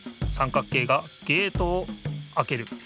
三角形がゲートをあける。